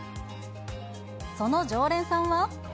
その常連さんは。